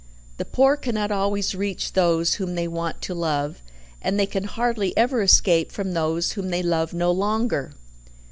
The poor cannot always reach those whom they want to love, and they can hardly ever escape from those whom they love no longer.